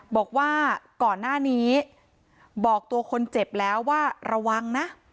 บอกว่าก่อนหน้านี้บอกตัวคนเจ็บแล้วว่าระวังนะ